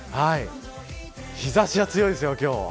日差しは強いですよ、今日。